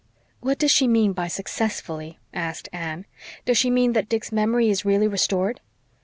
"What does she mean by 'successfully?'" asked Anne. "Does she mean that Dick's memory is really restored?"